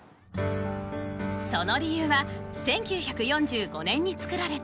その理由は１９４５年に造られた。